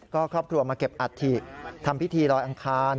ก็ครอบครัวมาเก็บอัฐิทำพิธีลอยอังคาร